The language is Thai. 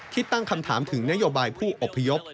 ตั้งคำถามถึงนโยบายผู้อพยพ